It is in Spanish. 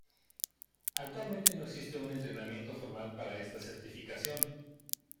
Actualmente no existe un entrenamiento formal para esta certificación.